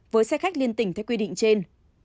với xe khách liên tình theo quy định trên